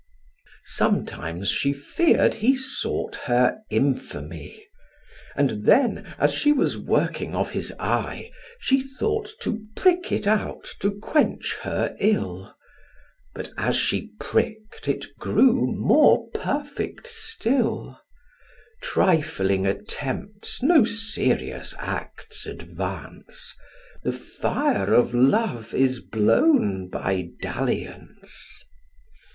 Sometimes she fear'd he sought her infamy; And then, as she was working of his eye, She thought to prick it out to quench her ill; But, as she prick'd, it grew more perfect still: Trifling attempts no serious acts advance; The fire of love is blown by dalliance.